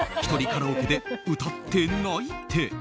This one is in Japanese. カラオケで歌って泣いて。